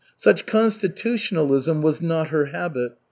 Such constitutionalism was not her habit.